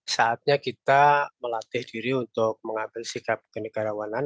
saatnya kita melatih diri untuk mengambil sikap kenegarawanan